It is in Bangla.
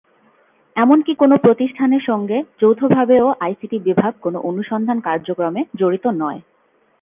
এমনকি কোনো প্রতিষ্ঠানের সঙ্গে যৌথভাবেও আইসিটি বিভাগ কোনো অনুসন্ধান কার্যক্রমে জড়িত নয়।